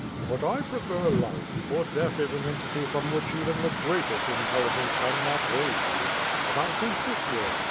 "But I prefer life, for death is an entity from which even the greatest intelligence can not raise you; but I think this way.